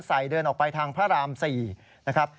เดินออกไปทางพระราม๔นะครับ